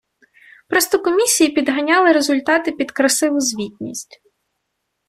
Просто комісії підганяли результати під красиву звітність.